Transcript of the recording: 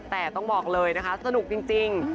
แต่ต้องบอกเลยนะคะสนุกจริง